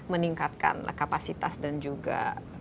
meningkatkan kapasitas dan juga